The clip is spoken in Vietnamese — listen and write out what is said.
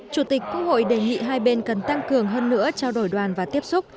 chủ tịch quốc hội đề nghị hai bên cần tăng cường hơn nữa trao đổi đoàn và tiếp xúc